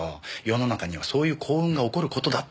世の中にはそういう幸運が起こる事だって。